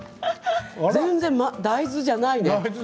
大豆じゃない。